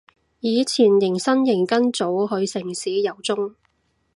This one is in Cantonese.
以前迎新營跟組去城市遊蹤